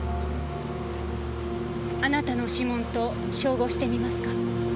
あなたの指紋と照合してみますか？